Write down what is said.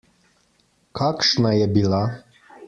Kakšna je bila?